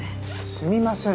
すみません。